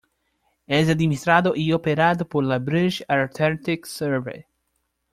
Es administrado y operado por la British Antarctic Survey.